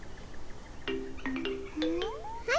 はい。